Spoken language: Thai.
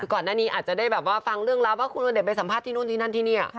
ก่อนหน้านี้อาจจะได้ฟังเรื่องรับว่าคุณอเดชน์ไปสัมภาษณ์ที่นู่นที่นั่นที่นี่